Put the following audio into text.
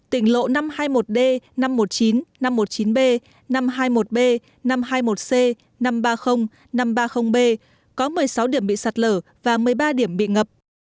tỉnh lộ năm trăm hai mươi một d năm trăm một mươi chín năm trăm một mươi chín b năm trăm hai mươi một b năm trăm hai mươi một c năm trăm ba mươi năm trăm ba mươi b có một mươi sáu điểm bị sạt lở và một mươi ba điểm bị ngập